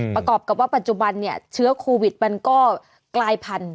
ประกอบกับว่าปัจจุบันเนี่ยเชื้อโควิดมันก็กลายพันธุ